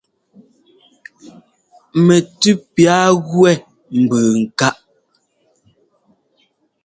Mɛtʉ́ piâa gúɛ́ nbʉʉ nkáʼ.